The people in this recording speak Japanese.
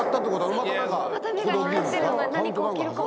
また目が光ってるので何か起きるかもしれない。